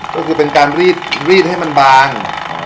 ก็คือเป็นการรีดให้มันบาง